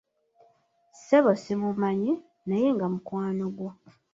Ssebo simumanyi, naye nga mukwano gwo.